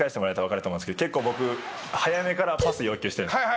結構僕早めからパス要求してるんですよ。